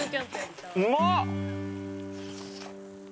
うまっ！